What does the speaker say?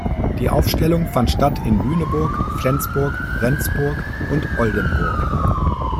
Die Aufstellung fand statt in Lüneburg, Flensburg, Rendsburg und Oldenburg.